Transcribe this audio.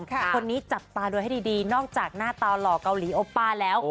คนนี้จับตาดูให้ดีนอกจากหน้าตาหล่อเกาหลีโอป้าแล้ว